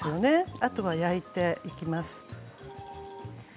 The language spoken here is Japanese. あとは焼いていきます。